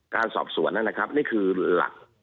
การสอบสวนนั้นนะครับนี่คือหลัก